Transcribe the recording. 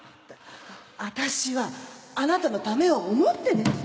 私はあなたのためを思ってね。